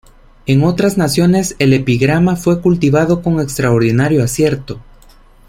En otras naciones el epigrama fue cultivado con extraordinario acierto.